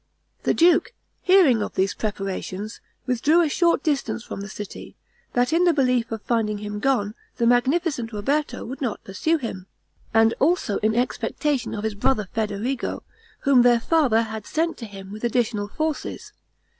The duke, hearing of these preparations, withdrew a short distance from the city, that in the belief of finding him gone, the magnificent Roberto would not pursue him, and also in expectation of his brother Federigo, whom their father had sent to him with additional forces.